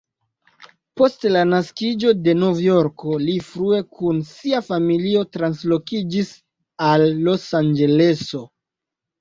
Post la naskiĝo en Novjorko, li frue kun sia familio translokiĝis al Los-Anĝeleso.